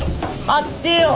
待ってよ！